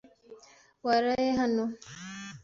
Waraye hano?